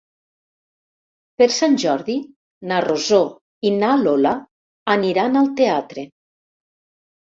Per Sant Jordi na Rosó i na Lola aniran al teatre.